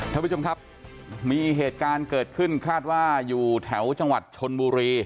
ท่านผู้ชมครับมีเหตุการณ์เกิดขึ้นคาดว่าอยู่แถวจังหวัดชนบุรี